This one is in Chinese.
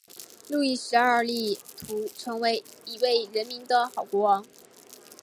路易十二力图成为一位人民的好国王。